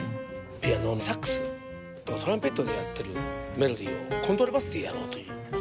ピアノサックストランペットでやってるメロディーをコントラバスでやろうという。